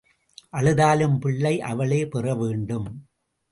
அழுதாலும் பிள்ளை அவளே பெற வேண்டும்.